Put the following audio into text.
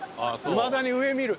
いまだに上見る。